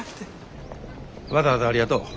わざわざありがとう。